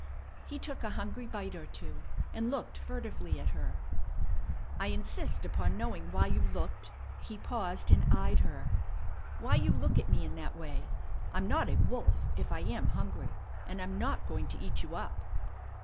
He took a hungry bite or two, and looked furtively at her. "I insist upon knowing why you looked " he paused and eyed her "why you look at me in that way. I'm not a wolf if I am hungry, and I'm not going to eat you up."